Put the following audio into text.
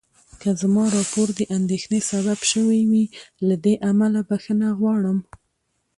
که زما راپور د اندېښنې سبب شوی وي، له دې امله بخښنه غواړم.